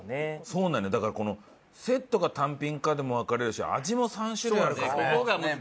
そうなのよだからこのセットか単品かでも分かれるし味も３種類あるからね。